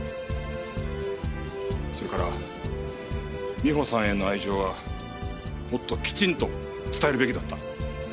それから美穂さんへの愛情はもっときちんと伝えるべきだった。